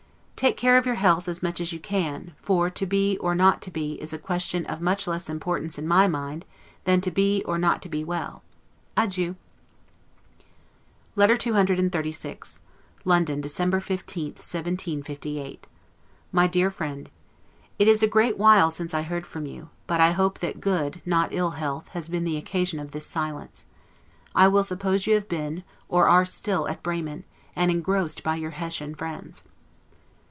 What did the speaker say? Take care of your health as much as you can; for, To BE, or NOT To BE, is a question of much less importance, in my mind, than to be or not to be well. Adieu. LETTER CCXXXVI LONDON, December 15, 1758. MY DEAR FRIEND: It is a great while since I heard from you, but I hope that good, not ill health, has been the occasion of this silence: I will suppose you have been, or are still at Bremen, and engrossed by your Hessian friends.